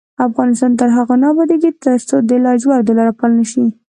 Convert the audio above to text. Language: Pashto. افغانستان تر هغو نه ابادیږي، ترڅو د لاجوردو لار فعاله نشي.